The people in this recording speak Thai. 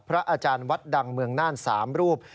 อาจารย์วัดดังเมืองน่าน๓รูป